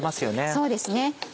そうですね。